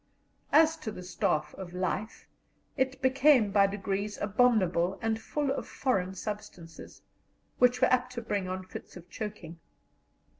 As to the "staff of life," it became by degrees abominable and full of foreign substances, which were apt to bring on fits of choking.